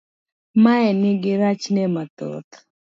Mae nigi rachne mathoth